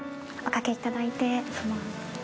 お掛けいただいて。